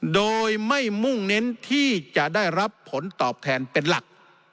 โดยไม่มุ่งเน้นที่จะได้รับผลตอบแทนเป็นหลัก